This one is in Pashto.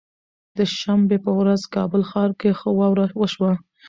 د شنبه به ورځ کابل ښار کې ښه واوره وشوه